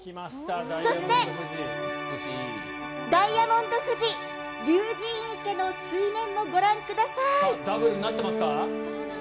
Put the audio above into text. そして、ダイヤモンド富士竜神池の水面もご覧ください。